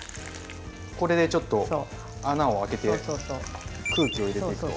これでちょっと穴をあけて空気を入れていくと。